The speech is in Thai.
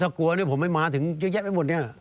ถ้ากลัวด้วยผมไม่มาถึงเยอะแยะไปหมดเนี่ย